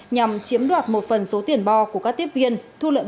nhằm chiếm đoạt một phần số tiền bo của các tiếp viên thu lợi bất chính hàng trăm triệu đồng